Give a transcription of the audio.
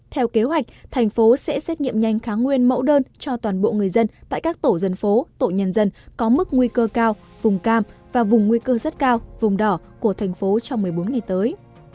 theo kế hoạch thành phố sẽ xét nghiệm nhanh kháng nguyên mẫu đơn cho toàn bộ người dân tại các tổ dân phố tổ nhân dân có mức nguy cơ cao vùng cam và vùng nguy cơ rất cao vùng đỏ của thành phố trong một mươi bốn ngày tới